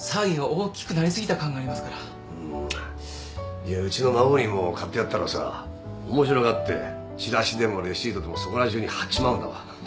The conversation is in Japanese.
いやうちの孫にも買ってやったらさ面白がってチラシでもレシートでもそこらじゅうにはっちまうんだわ。